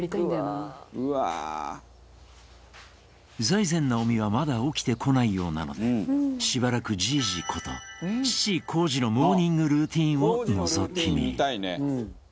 財前直美がまだ起きてこないようなのでしばらく、じいじこと父・紘二のモーニングルーティンをのぞき見。